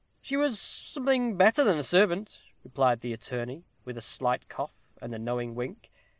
"She was something better than a servant," replied the attorney, with a slight cough and a knowing wink.